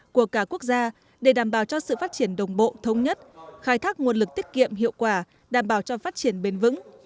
của cả quốc gia để đảm bảo cho sự phát triển đồng bộ thống nhất khai thác nguồn lực tiết kiệm hiệu quả đảm bảo cho phát triển bền vững